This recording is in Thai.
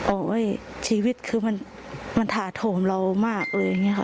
โอ๊ยเว้ยชีวิตคือมันทาโถมเรามากเลย